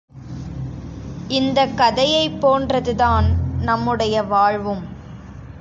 இந்தக் கதையைப் போன்றதுதான் நம்முடைய வாழ்வும்.